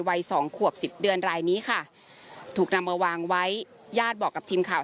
วัยสองขวบสิบเดือนรายนี้ค่ะถูกนำมาวางไว้ญาติบอกกับทีมข่าว